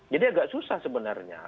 jadi agak susah sebenarnya